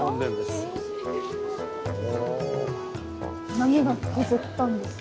波が削ったんですか？